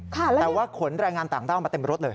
แต่ว่าขนแรงงานต่างด้าวมาเต็มรถเลย